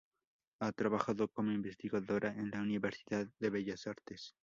Ha trabajado como investigadora en la Universidad de Bellas Artes.